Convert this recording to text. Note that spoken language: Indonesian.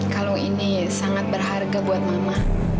kalau ini sangat berharga buat mama